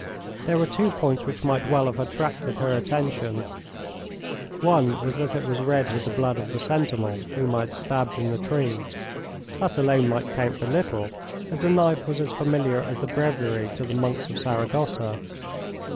There were two points which might well have attracted her attention. One was that it was red with the blood of the sentinel whom I had stabbed in the tree. That alone might count for little, as the knife was as familiar as the breviary to the monks of Saragossa.